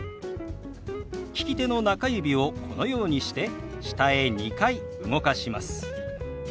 利き手の中指をこのようにして下へ２回動かします。